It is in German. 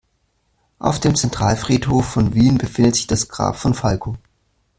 Auf dem Zentralfriedhof von Wien befindet sich das Grab von Falco.